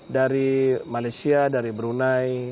dari malaysia dari brunei